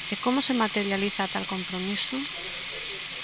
¿E como se materializa tal compromiso?